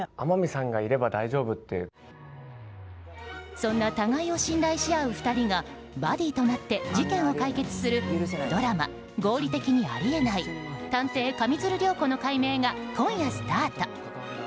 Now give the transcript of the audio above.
そんな互いを信頼し合う２人がバディーとなって事件を解決するドラマ「合理的にあり得ない探偵・上水流涼子の解明」が今夜スタート。